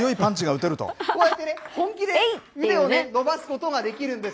こうやってね、本気で腕を伸ばすことができるんです。